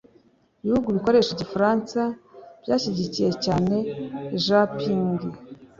Ibihugu bikoresha Igifaransa byashyigikiye cyane Jean Ping